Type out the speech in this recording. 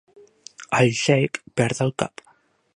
El xeic perd el cap.